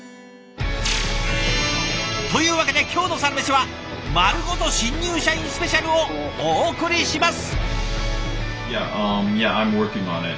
というわけで今日の「サラメシ」は「まるごと新入社員スペシャル」をお送りします。